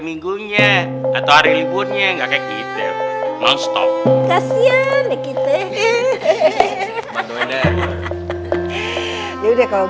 minggunya atau hari liburnya nggak kayak gitu langsung kasian dikit eh hehehe ya udah kalau